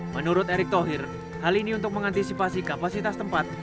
menurut erick thohir hal ini untuk mengantisipasi kapasitas tempat